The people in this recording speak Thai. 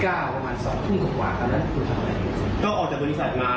เก้าประมาณสองทุ่มกว่าครับแล้วคุณทำอะไร